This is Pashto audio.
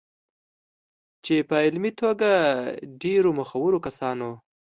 چې په علمي توګه ډېرو مخورو کسانو